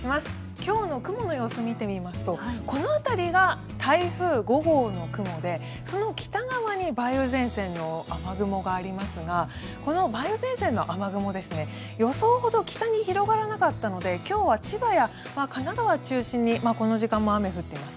今日の雲の様子を見てみますとこの辺りが台風５号の雲で、その北側に梅雨前線の雨雲がありますがこの梅雨前線の雨雲予想ほど北に広がらなかったので今日は千葉や神奈川中心にこの時間も雨が降っています。